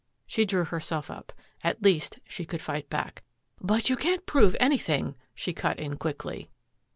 She drew herself up. At least she could fight back. "But you can't prove anything," she cut in quickly.